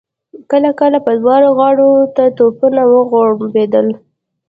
کله کله به دواړو غاړو ته توپونه وغړمبېدل.